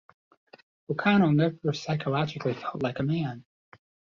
O'Connell never psychologically felt like a man.